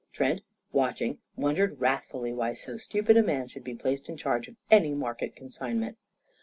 Trent, watching, wondered wrathfully why so stupid a man should be placed in charge of any market consignment.